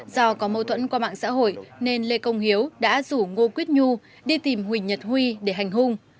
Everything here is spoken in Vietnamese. do có mâu thuẫn qua mạng xã hội nên lê công hiếu đã rủ ngô quýt nhu đi tìm huỳnh nhật huy để hành hung